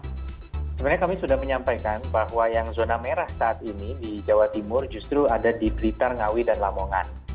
sebenarnya kami sudah menyampaikan bahwa yang zona merah saat ini di jawa timur justru ada di blitar ngawi dan lamongan